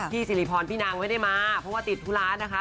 สิริพรพี่นางไม่ได้มาเพราะว่าติดธุระนะคะ